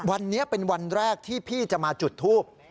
เมื่อว่าจะเป็นวันแรกที่พี่จะมาจุดทูบ